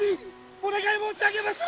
お願い申し上げまする！